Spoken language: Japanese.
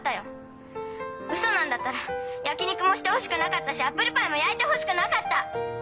ウソなんだったら焼き肉もしてほしくなかったしアップルパイも焼いてほしくなかった！